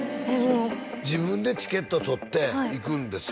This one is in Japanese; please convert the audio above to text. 自分でチケット取って行くんですよ